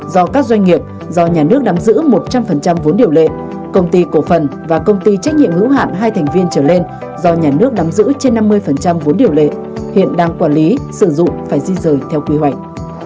do các doanh nghiệp do nhà nước nắm giữ một trăm linh vốn điều lệ công ty cổ phần và công ty trách nhiệm hữu hạn hai thành viên trở lên do nhà nước nắm giữ trên năm mươi vốn điều lệ hiện đang quản lý sử dụng phải di rời theo quy hoạch